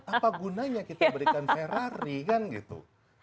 apa gunanya kita berikan ferrari kan gitu